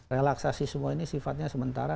relaksasi semua ini sifatnya sementara